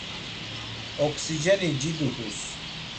Oksiceni cidu hus.